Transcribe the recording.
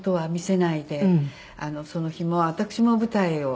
その日も私も舞台を。